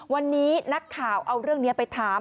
วันนี้นักข่าวเอาเรื่องนี้ไปถาม